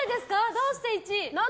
どうして１？